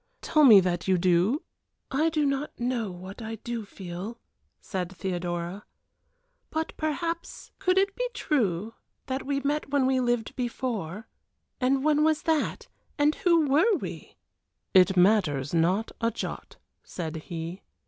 Tell me that you do ?" "I do not know what I do feel," said Theodora. "But perhaps could it be true that we met when we lived before; and when was that? and who were we?" "It matters not a jot," said he.